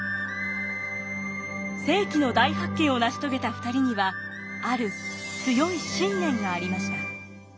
世紀の大発見を成し遂げた２人にはある強い信念がありました。